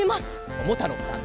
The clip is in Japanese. ももたろうさん